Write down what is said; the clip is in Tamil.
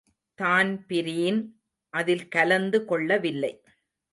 தான்பிரீன் அதில் கலந்து கொள்ளவில்லை.